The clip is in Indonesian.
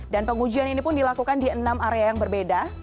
dan pengujian ini pun dilakukan di enam area yang berbeda